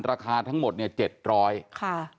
ราคาทั้งหมด๗๐๐บาท